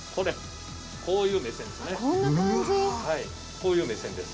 こういう目線です。